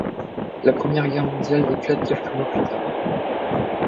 La Première Guerre mondiale éclate quelques mois plus tard.